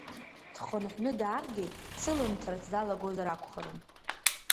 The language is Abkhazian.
Дхынҳәны дааргьы, дсылымҭарц далагозар акәхарын.